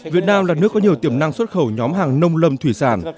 việt nam là nước có nhiều tiềm năng xuất khẩu nhóm hàng nông lâm thủy sản